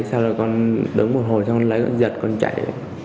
sau đó con đứng buôn hồ xong lấy giật con chạy